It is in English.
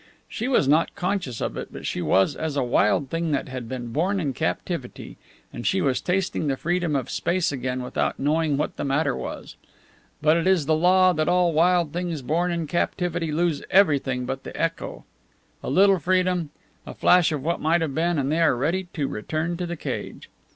She was not conscious of it, but she was as a wild thing that had been born in captivity, and she was tasting the freedom of space again without knowing what the matter was. But it is the law that all wild things born in captivity lose everything but the echo; a little freedom, a flash of what might have been, and they are ready to return to the cage.